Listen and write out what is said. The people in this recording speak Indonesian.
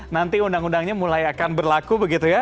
nanti undang undangnya mulai akan berlaku begitu ya